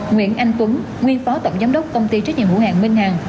nguyễn anh tuấn nguyên phó tổng giám đốc công ty trách nhiệm hữu hạng minh hàng